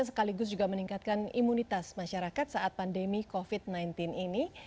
sekaligus juga meningkatkan imunitas masyarakat saat pandemi covid sembilan belas ini